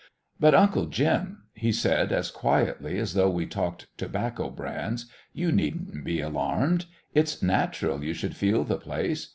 "But, Uncle Jim," he said as quietly as though we talked tobacco brands, "you needn't be alarmed. It's natural you should feel the place.